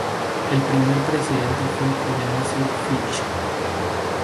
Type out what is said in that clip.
El primer presidente fue Ebenezer Fitch.